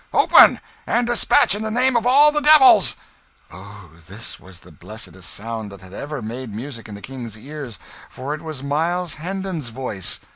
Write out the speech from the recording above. Open! And despatch, in the name of all the devils!" Oh, this was the blessedest sound that had ever made music in the King's ears; for it was Miles Hendon's voice!